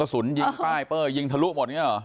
กระสุนกระสุนยิงป้ายได้ยิงถะลวกหมดอย่างเงี้ยหรอ